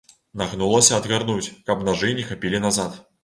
Нагнулася адгарнуць, каб нажы не хапілі назад.